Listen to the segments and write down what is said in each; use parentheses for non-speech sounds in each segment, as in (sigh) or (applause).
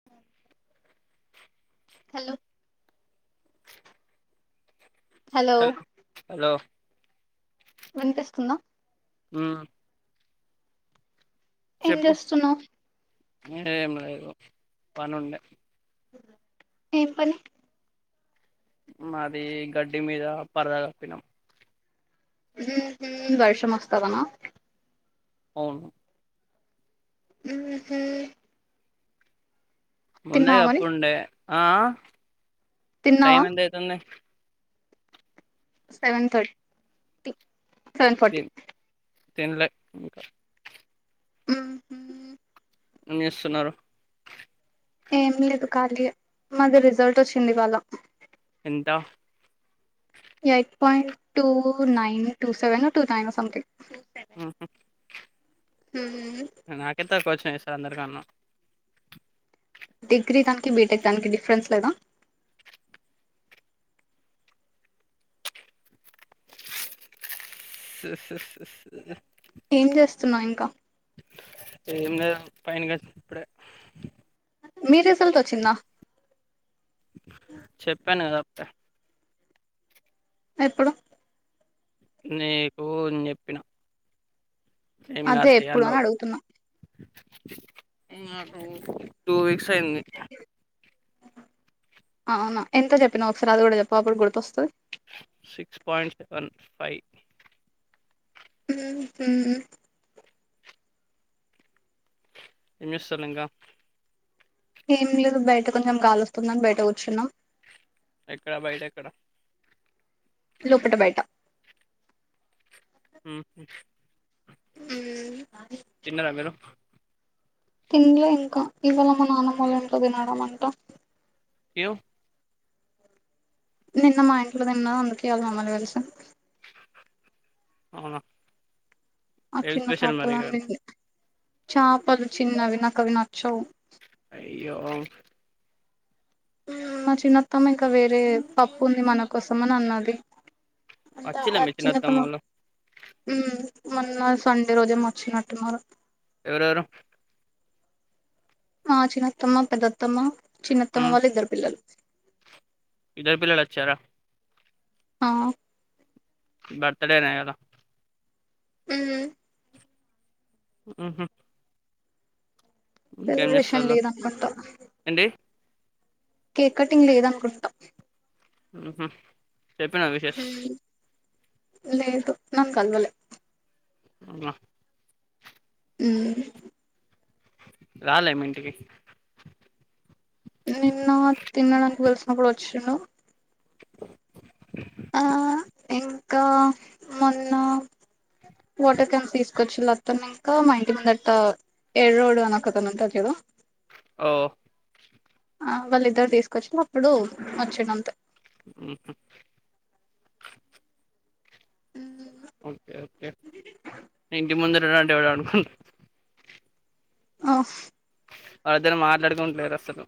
(unintelligible) hello hello hello వినిపిస్తుందా ఊ ఏం చెప్పు చేస్తున్నావ్ ఏంలేదు పని ఉండే ఏం పని మాది గడ్డి మీద పరదా గప్పినం వర్షం వస్తాది అన అవును ఉహు ముందే తిన్నావా మరి కప్పుం డే ఆ టైం తిన్నావా ఎంత అయితాంది సెవెన్ థర్టీ సెవెన్ ఫార్టీ తిన్లె ఇంక ఉహు ఎం చేస్తున్నారు ఏం లేదు ఖాళీ మాది రిజల్ట్ వచ్చింది ఇ వాళ్ళ ఎంత eight point two nine two సెవెనో టు నైనో సంథింగ్ ఆహా ఉ నాకే తక్కువ వచ్చినాయి ఈ సారి అందరికన్నా డిగ్రీ దానికి బీటెక్ దానికి డిఫరెన్స్ లేదా (unintelligible) ఏం చేస్తున్నావ్ ఇంక ఎం లేదు పైనకి వచ్చిన ఇప్పుడే మీ రిజల్ట్ వచ్చింద చెప్పాను కదా (unintelligible) ఎప్పుడు నీకు అని (unintelligible) అదే ఎప్పుడు అని అడుగుతున్నా ఆహు టూ వీక్స్ అయింది అవునా ఎంత చెప్పినావు ఒకసారి అది కూడా చెప్పవా అప్పుడు గుర్తు వస్తది సిక్స్ పాయింట్ వన్ ఫై ఉ ఊ ఏం చేస్తారు ఇంగ ఏం లేదు బయట కొంచెం గాలు వస్తుందని బయట కూర్చున్నాం ఎక్కడ బయట ఎక్కడ లోపట బయట ఉమ్ తిన్నారా మీరు తినలే ఇంకా ఇవాళ మా నాన్నమ్మ వాళ్ళ ఇంట్లో తినడం అంట ఈయో నిన్న మా ఇంట్లో తిన్న అందుకే వాళ్ల మమ్మల్ని కలిసాం అవునా ఆ ఏం చిన్న స్పెషల్ చాపలు మరి ఇక్కడ వండింది చాపలు చిన్నవి నాకు అవి నచ్చవు అయ్యో మా చిన్న అత్తమ్మ ఇంకా వేరే పప్పు ఉంది మన కోసం అన అన్నది అంతా వచ్చిలే ఆ మీ చిన్నత్తమ్మ చిన్నఅత్తమ్మ వాళ్ళు ఉ మొన్న సండే రోజేమో వచ్చినట్టు ఉన్నారు ఎవరెవరు మా చిన్నత్తమ్మ పెద్దత్తమ్మ చిన్నత్తమ్మ ఉమ్, వాళ్ళు ఇద్దరు పిల్లలు ఇద్దరు పిల్లలు వచ్చారా ఆ బర్తడే నా ఏమన్నా ఉ ఉహు ఇంకేం సెలబ్రేషన్ చేస్తాలో లేదనుకుంటా అండి కేక్ కటింగ్ లేదన్కుంటా ఆహా ఉ లేదు నన్ కల్వలే అవునా ఉ రానులే మీ ఇంటికి నిన్న తినడానికి పిలిసినప్పుడు వచ్చిండు అ ఇంకా మొన్న వాటర్ క్యాన్స్ తీసుకొచ్చిళ్లా అత్తమ్మ ఇంకా మా ఇంటి ముందత్త ఎర్రోడు అని ఒకతను ఉంటాడు కదా ఓ ఆ వాళ్ళిద్దరు తీసుకొచ్చి అప్పుడు వచ్చిండంతె ఉహు ఉ (inaudible) ఓకే ఓకే ఇంటి ముందు రండి అంటే ఎవడ అనుకున ఆఫ్ వాళ్ళద్దరు మాట్లాడుకొని పోయిరీ అసలు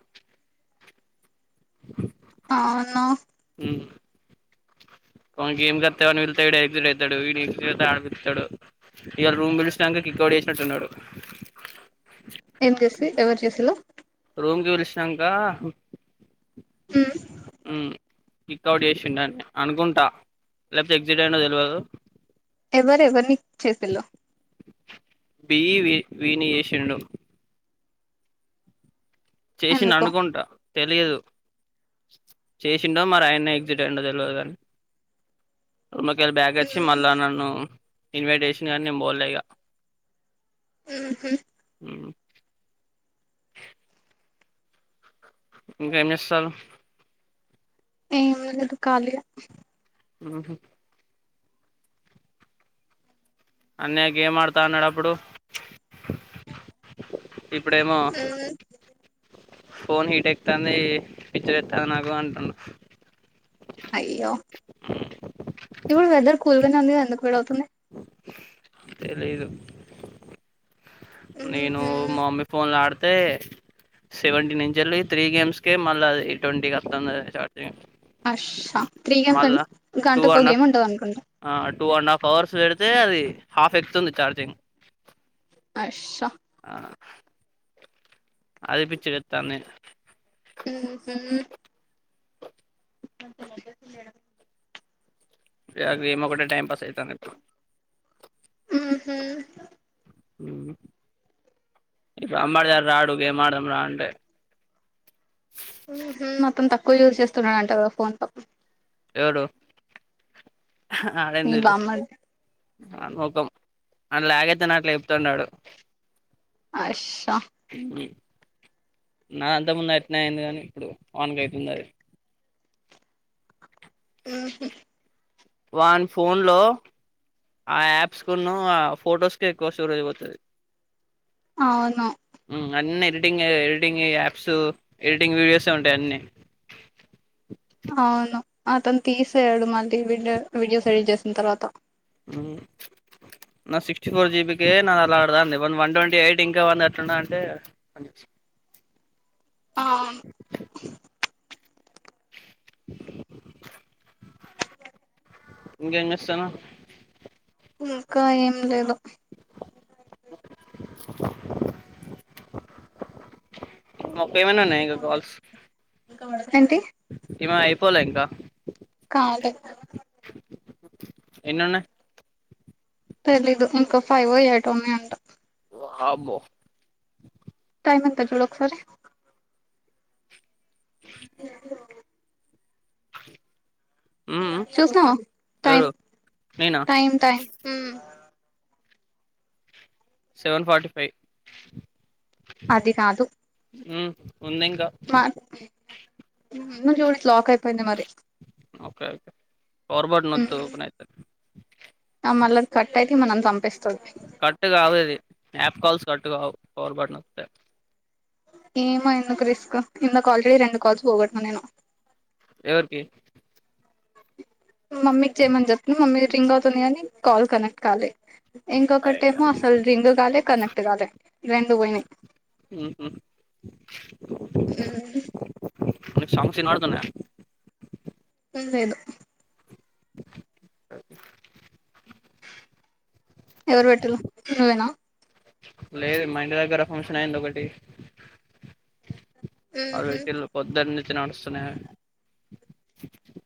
అవును ఉమ్ కొం గేమ్ కడా అని వెళ్తా ఎక్జడ్ అవుతడు వీడు ఇంతేనా అనుకుంటాడు ఇక రూమ్ పిలిసినాక కిక్అవుట్ చేసినట్టున్నాడు ఏం చేసి ఎవరు చేసిల్లు రూమ్ తుడిచినంక ఉ హ్మ్ ఉ కిక్ అవుట్ చేసిండి అనుకుంటా లేకపోతే ఎక్సిటో అయ్యుండో తెల్వదు ఎవరు ఎవర్ని క్లిక్ చేసిండు కిక్ చేసిలు బిఈవి వీని చేసిండు ఎందుకో చేసిండనుకుంటా తెలియదు చేసిండో మరి ఆయన్నె ఎగ్జిట్ అయ్యండో తెలియదు కానీ రూమ్లా కేళి బ్యాక్ వచ్చి మళ్ళా హ్మ్ నన్ను ఇన్వైట్ చెసిండు కానీ నేను పొలే ఇగ ఉహు ఉమ్ ఉ ఇంకెం చేస్తారు ఏమి లేదు కాలి ఉ అన్నయ గేమ్ ఆడుతా అన్నాడప్పుడు ఇప్పుడేమో హ్మ్ ఫోన్ హీట్ ఎక్తుంది పిచ్చి లేస్తుంది నాకు అంటున్నా అయ్యో ఇప్పుడు వెదర్ కూల్గానే ఉంది కదా ఎందుకు వేడి అవుతుంది తెలిదు నేను ఊహూ మా మమ్మీ ఫోన్ల ఆడితే సెవెంటీన్ ఇంచేలి త్రీ గేమ్స్కి మళ్ళీ ట్వంటీకి వస్తుంది ఛార్జింగ్ హర్ష త్రీ గేమ్స్ ఎం మళ్ళా గంట టూ ఒక్క అండ్ గేమ్ ఉంటంది అనుకుంట ఆ టూ అండ్ హాఫ్ అవర్స్ పెడితే అది హాఫ్ ఎక్తుంది ఛార్జింగ్ హష ఆ అది పిచ్చిలేతంది ఉ హు అంత మంచిది మేడం బ గేమ్ ఒకటె టైమ్ పాస్ అయితుంది ఇప్పుడు ఊహూ మ్ ఇప్పుడు అమ్మాడుదారు రాడు గేమ్ మాడదాం రా అంటే ఉహు మొత్తం తక్కువ యూజ్ చేస్తున్నాడంట కదా ఫోన్ ఎవడు ఆడ ఎం మీ బామ్మర్ది అనిమొఖం అని లాగైతేన అట్లా చెప్తున్నాడు వాడు హ ష ఉహు నా అంత ముందు అట్నే అయింది కానీ ఇప్పుడు ఆన్కి అవుతుంది ఉహు వాని ఫోన్లో ఆ యాప్స్కున్ను ఆ ఫొటోస్కె ఎక్కువ స్టోరేజ్ పోతది అవును మ్ అన్ని ఎడిటింగ్ అయి ఎడిటింగ్ అయి యాప్స్ ఎడిటింగ్ వీడియోస్ ఎ ఉంటాయి అన్ని అవును అతను తీసేయడు మళ్ళీ వీడియో వీడియోస్ ఎడిట్ చేసిన తర్వాత ఉ నా సిక్స్టీ ఫోర్ జీబీకి నా అలా ఆడదాండి (unintelligible) వాంది వన్ ట్వంటీ ఎయిట్ ఇంకా వాంది అట్లుంనది అంటే అ స్ ఆ ఇంకెం చేస్తున్నవ్ ఇంకా ఏం లేదు (unintelligible) మొకై మన్నా ఉన్నాయి గల్స్ ఏంటి ఈమెది అయిపోలే ఇంకా కాలే ఎన్ని ఉన్నయి తెలీదు ఇంకో ఫైవ్ ఒ ఎయిట్ ఒ ఉన్నాయింట వామ్మో టైమ్ ఎంత చూడు ఒకసారి అ (inaudible) ఉమ్ చూసినవా టైం ఎవరు నేనా టైం టైం ఉం సెవెన్ ఫార్టీ ఫై అది కాదు ఉమ్ ఉంది ఇంకా మా (unintelligible) చూడి లాకైపోయింది మరి ఓకే పవర్ బటన్ నొక్కు ఓపెన్ అయితది ఆ మల్ల కట్ అయితే మనల్ని చంపేస్తది కట్ కావు ఇది యాప్ కాల్స్ కట్ కావు పవర్ బటన్ నొక్కితే ఏమో ఎందుకు రిస్క్ ఇందకా ఆల్రెడీ రెండు కాల్స్ పోగొట్టన నేను ఎవరికి మమ్మీకి చేయమని చెప్తున్నా మమ్మీ రింగ్ అవుతుంది కాని కాల్ కనెక్ట్ కాలె ఇంకొకటెమో అసలు రింగ్ కాలే కనెక్ట్ కాలే రెండు పోయినై హు హామ్ (inaudible) హు హామ్ కొన్ని సాంగ్స్ వినబడుతున్నాయా వినలేదు ఓకే (inaudible) ఎవరు పెట్టారు నువ్వేనా లేదు మా ఇంటి దగ్గర ఫంక్షనైయింది ఒకటి ఆ (unintelligible) ఉహు వీటిల్ పొద్దున్నుంచి నడుస్తున్నాయి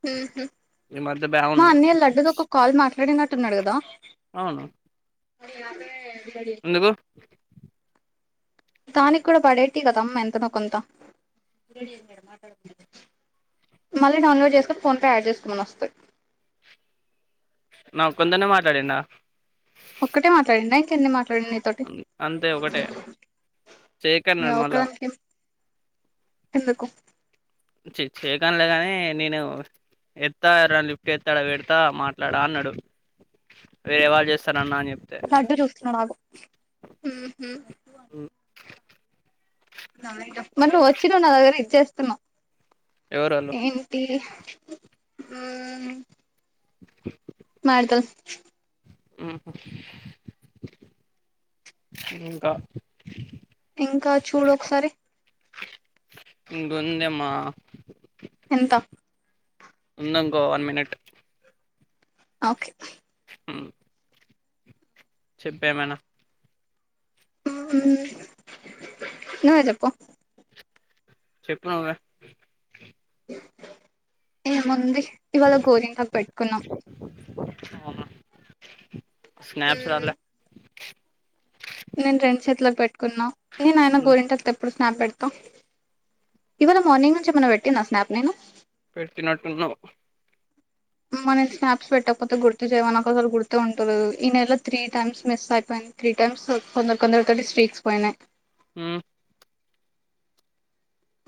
హు హామ్ ఈ మధ్య మా బాగున్నాయి అన్నయ్య ఫంక్షన్ లడ్డు తోఒక కాల్ మాట్లాడినట్టున్నాడు కదా అవును అక బడి (unintelligible) ఎందుకు దానికి కూడా పడేటి కదమ్మ ఎంతనో కొంత మళ్ళీ డౌన్లోడ్ చేసుకొని ఫోన్ పే యాడ్ చేసుకోమని వస్తాయి నా ఒక్కని తోనే మాట్లాడిండా ఒకటే మాట్లాడిండ ఇంకెన్ని మాట్లాడి అంతే ఒకటే చేయకు ఇగ అన్నడు మళ్ళా ఒక్కదానికి ఎందుకు చెయకాన్లేగాని నేను ఎత్తార లిఫ్ట్ ఎత్తాడ పెడతా మాట్లాడా అన్నాడు వేరే వాళ్ళు చేస్తారన్న అని చెప్పి లడ్డు చూస్తున్నాడు ఆడు మరి నువ్వు వచ్చినవ్ నా దగ్గర ఇచ్చేస్తున్నావ్ ఎవరోళ్ళు ఏం టీ హ్మ్ ఓక (inaudible) మ్యాడ్తల్ ఊహూ ఇంకా ఇంకా చూడొక్కసారి ఇందొందెమా ఎంత ఉందనుకో వన్ మినిట్ ఓకే చెప్పేమైనా హ్మ్ నువ్వే చెప్పుకో చెప్పాల్నువే ఏముంది ఇవాళ గోరింటాకు పెట్టుకున్నాం అవునా స్నాప్స్ రాలే నేను రెండు చేతులకి పెట్టుకున్నా‌ నేను అయినా గోరింటకు తె ఇప్పుడు స్నాప్ పెడతో ఇవాళ మార్నింగ్ నుంచి ఏమన్నా పెట్టిన్నా స్నాప్ నేను పెట్టిినట్టున్నావు అమ్మ నేను స్నాప్స్ పెట్టకపోతే గుర్తు చేయవా నాకు అస్సలు గుర్తే ఉంటలేదు ఈ నెలో త్రీ టైమ్స్ మిస్ అయిపోయింది త్రీ టైమ్స్ కొందరు కొందరుతోటి స్ట్రీక్స్ పోయినాయి హ్మ్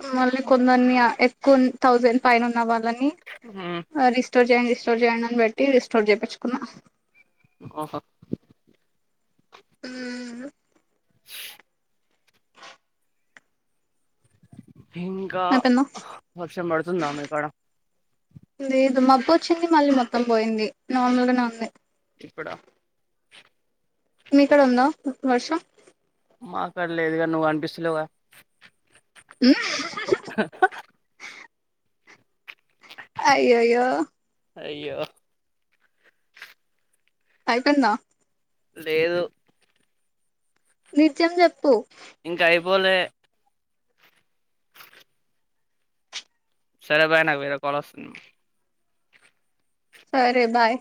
మిమ్మల్ని కొందర్ని ఎక్కువ థౌజండ్ పైన ఉన్న వాళ్ళని హ్మ్ రీస్టోర్ చేయండి రిస్టోర్ చేయండి అని చెప్పి రిస్టోర్ చేయిచ్చుకున్నా ఆహ హ్మ్ ఇంకా అయిపోయిందా వర్షం పడుతుందా మీ కాడ లేదు మబ్బు వచ్చింది మళ్ళీ మొత్తం పోయింది నార్మల్ గానే ఉంది ఇక్కడ మీక్కాడ ఉందా వర్షం మాక్కాడ లేదు కాని నువ్వు అనిపిస్తలేవుగా ఇ హ అయ్యయ్యో అయ్యో అయిపోయిందా లేదు నిజం చెప్పు ఇంకా అయిపోలే సరే బాయ్ నాకు వేరే కాల్ వస్తుంది సరే బాయ్